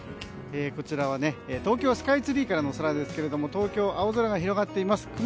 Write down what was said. こちらは東京スカイツリーからの空ですけど東京、青空が広がっています。